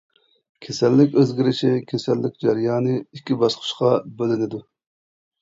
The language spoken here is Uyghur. كېسەللىك ئۆزگىرىشى كېسەللىك جەريانى ئىككى باسقۇچقا بۆلىنىدۇ.